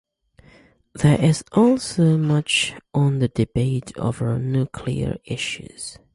There is also much on the debate over nuclear issues.